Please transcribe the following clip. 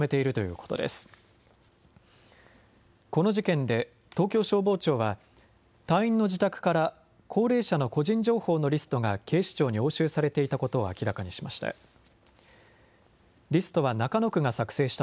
この事件で東京消防庁は、隊員の自宅から、高齢者の個人情報のリストが警視庁に押収されていたことを明らかにしました。